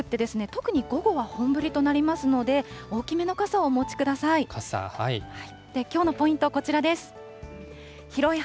特に午後は本降りとなりますので、大きめの傘、はい。